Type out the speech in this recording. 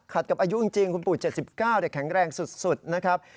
กับอายุจริงคุณปู่๗๙แข็งแรงสุดนะครับ